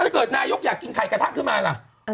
ถ้าเกิดนายกอยากกินไข่กระทะขึ้นมาล่ะ